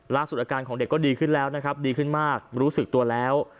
อาการของเด็กก็ดีขึ้นแล้วนะครับดีขึ้นมากรู้สึกตัวแล้ว